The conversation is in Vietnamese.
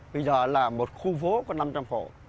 bây giờ là một khu phố có năm trăm linh hộ